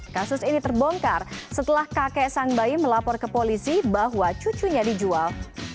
kasus ini terbongkar setelah kakek sang bayi melapor ke polisi bahwa cucunya dijual